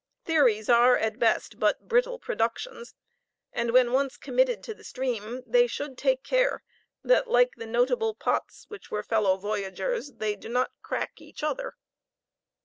Theories are at best but brittle productions, and when once committed to the stream, they should take care that, like the notable pots which were fellow voyagers, they do not crack each other.